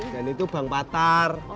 dan itu bang patar